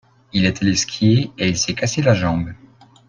Il est allé skier et il s'est cassé la jambe.